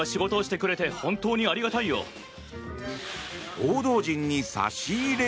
報道陣に差し入れ？